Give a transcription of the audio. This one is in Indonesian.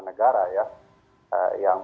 negara ya yang